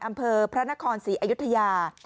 อำเภอพระนครศรีอยุธยา